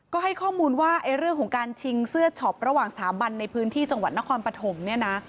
ก็ให้ข้อมูลว่าเรื่องของการชิงเสื้อช็อประหว่างสถาบันในพื้นที่จังหวัดนครปฐมเนี่ยนะ